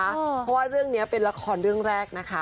เพราะว่าเรื่องนี้เป็นละครเรื่องแรกนะคะ